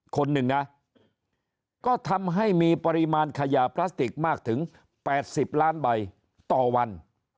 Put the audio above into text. คนหนึ่งนะก็ทำให้มีปริมาณขยะพลาสติกมากถึง๘๐ล้านใบต่อวัน